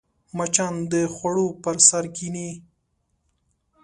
مچان د خوړو پر سر کښېني